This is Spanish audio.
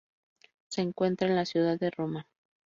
Se encuentra en la ciudad de Roma.